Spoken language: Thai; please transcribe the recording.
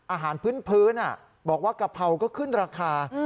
อาหารพื้นบอกว่ากะเพราก็ขึ้นราคา